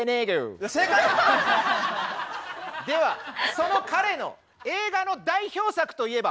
その彼の映画の代表作といえば？